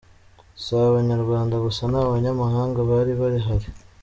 Si Abanyarwanda gusa n'abanyamahanga bari bari bahari.